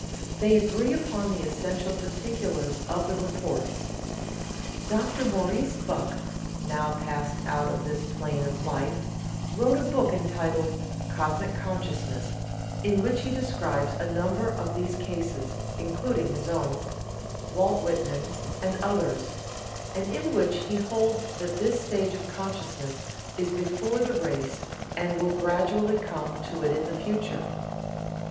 They agree upon the essential particulars of the reports. Dr. Maurice Bucke, now passed out of this plane of life, wrote a book entitled "Cosmic Consciousness," in which he describes a number of these cases, including his own, Walt Whitman's and others, and in which he holds that this stage of consciousness is before the race and will gradually come to it in the future.